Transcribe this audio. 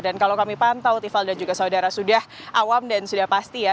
dan kalau kami pantau tifal dan juga saudara sudah awam dan sudah pasti ya